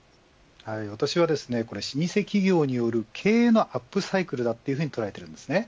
私は、老舗企業による経営のアップサイクルだと捉えています。